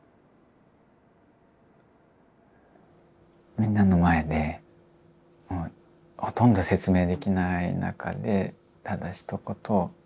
みんなの前でほとんど説明できない中でただひと言